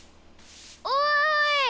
おい！